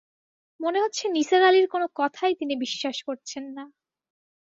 মনে হচ্ছে নিসার আলির কোনো কথাই তিনি বিশ্বাস করছেন না।